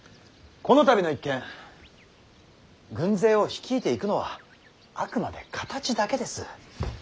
この度の一件軍勢を率いていくのはあくまで形だけです。